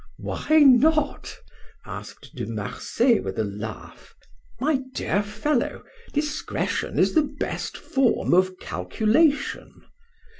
"Why not?" asked De Marsay, with a laugh. "My dear fellow, discretion is the best form of calculation.